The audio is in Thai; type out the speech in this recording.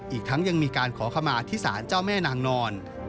อีกทั้งยังมีการขอขมาที่ศาลเจ้าแม่นางนอน